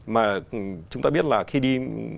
mà chúng ta biết là khi đi